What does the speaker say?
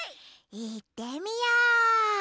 いってみよう！